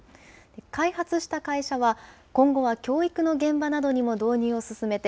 開発した会社は今後は教育の現場などにも導入を進めて、